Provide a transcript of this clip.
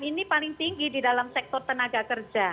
ini paling tinggi di dalam sektor tenaga kerja